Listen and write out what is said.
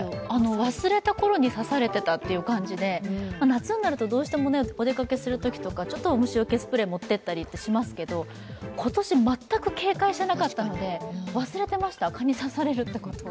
忘れたころに刺されてたっていう感じで夏になるとどうしてもお出かけするときとか、ちょっと虫よけスプレーを持っていったりとかしますけど、今年、全く警戒しなかったので忘れてました、蚊に刺されるということを。